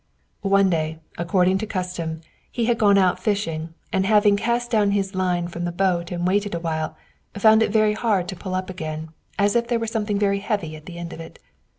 One day, according to custom, he had gone out fishing; and having cast down his line from the boat and waited awhile, found it very hard to pull up again, as if there were something very heavy at the end of it.